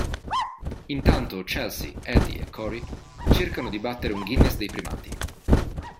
Intanto, Chelsea, Eddy e Cory cercano di battere un guinness dei primati.